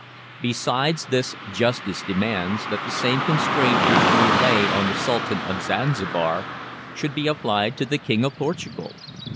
Besides this, justice demands that the same constraint which we lay on the Sultan of Zanzibar should be applied to the King of Portugal.